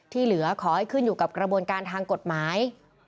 เหลือขอให้ขึ้นอยู่กับกระบวนการทางกฎหมาย